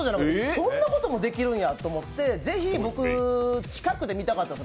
そんなこともできるんやって、ぜひ僕、近くで見たかったんです。